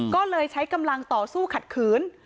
ก็เลยใช้กำลังต่อสู้ขัดขืน